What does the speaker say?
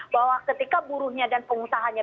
bahwa ketika buruhnya dan pengusahanya